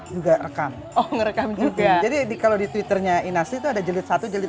juga rekam oh ngerekam juga jadi kalau di twitternya ina asli itu ada jelit satu jelit